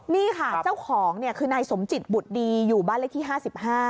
นี่ค่ะเจ้าของเนี่ยคือนายสมจิตบุตรดีอยู่บ้านเลขที่๕๕